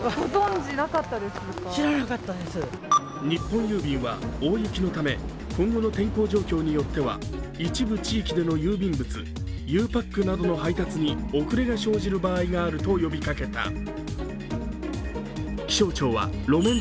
日本郵便は大雪のため今後の天候状況によっては一部地域での郵便物、ゆうパックなどの配達に遅れが生じる場合があると呼びかけた。